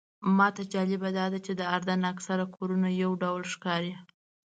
ماته جالبه داده چې د اردن اکثر کورونه یو ډول ښکاري.